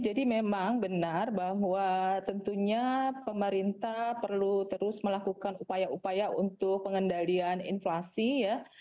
jadi memang benar bahwa tentunya pemerintah perlu terus melakukan upaya upaya untuk pengendalian inflasi ya